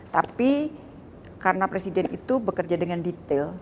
tapi karena presiden itu bekerja dengan detail